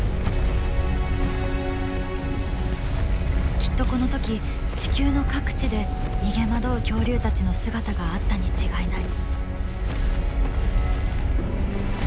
きっとこの時地球の各地で逃げ惑う恐竜たちの姿があったに違いない。